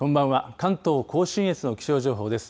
関東甲信越の気象情報です。